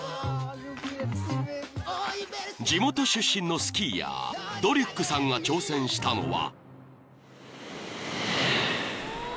［地元出身のスキーヤードリュックさんが挑戦したのは］